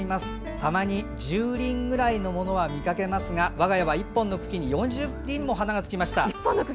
たまに１０輪ぐらいのものは見かけますが我が家は１本の茎に４０輪も花がつきました。